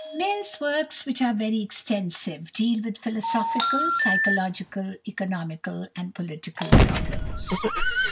Mill's works, which are very extensive, deal with philosophical, psychological, economical, and political problems.